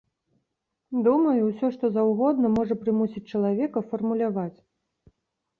Думаю, усё што заўгодна можа прымусіць чалавека фармуляваць.